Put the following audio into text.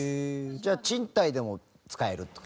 じゃあ賃貸でも使えるって事。